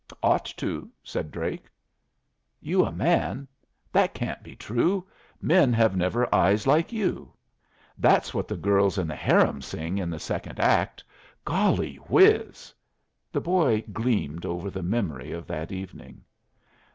"Ought to," said Drake. "You a man? that can't be true! Men have never eyes like you." "That's what the girls in the harem sing in the second act. Golly whiz!" The boy gleamed over the memory of that evening.